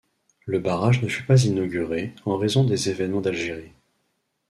Le barrage ne fut pas inauguré, en raison des événements d’Algérie.